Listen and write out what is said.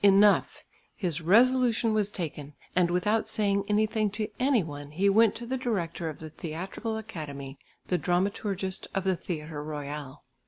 Enough; his resolution was taken; and without saying anything to any one, he went to the director of the Theatrical Academy the dramaturgist of the Theatre Royal.